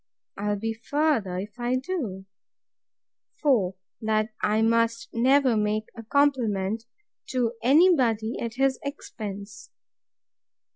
I'll be further if I do. 4. That I must never make a compliment to any body at his expense.